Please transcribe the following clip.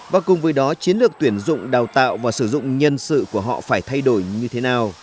và cùng với đó chiến lược tuyển dụng đào tạo và sử dụng nhân sự của họ phải thay đổi như thế nào